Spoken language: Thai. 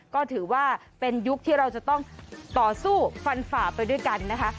ก็ถือว่าเป็นยุคที่เราจะต้องต่อสู้ฟันฝ่าไปด้วยกันนะคะ